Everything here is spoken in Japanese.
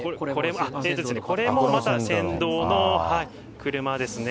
これもまだ先導の車ですね。